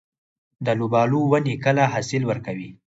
د الوبالو ونې کله حاصل ورکوي؟